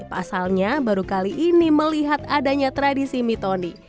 pasalnya baru kali ini melihat adanya tradisi mitoni